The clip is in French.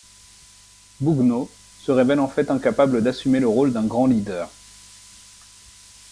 Bugno se révèle en fait incapable d'assumer le rôle d'un grand leader.